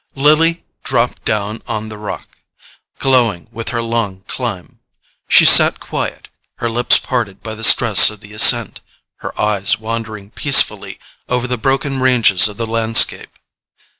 Lily dropped down on the rock, glowing with her long climb. She sat quiet, her lips parted by the stress of the ascent, her eyes wandering peacefully over the broken ranges of the landscape.